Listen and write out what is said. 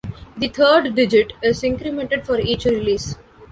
The third digit is incremented for each release.